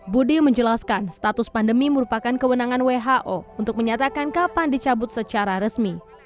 budi menjelaskan status pandemi merupakan kewenangan who untuk menyatakan kapan dicabut secara resmi